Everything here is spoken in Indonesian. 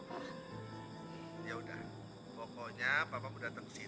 yaudah pokoknya papa mau datang ke situ